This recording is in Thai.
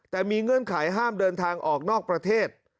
แต่มีเงื่อนไขห้ามเดินทางออกนอกประเทศ